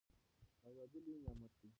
ازادي لوی نعمت دی.